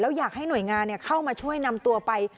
อยากให้หน่วยงานเข้ามาช่วยนำตัวไป